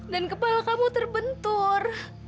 dan kepala kamu terbentur